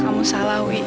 kamu salah wi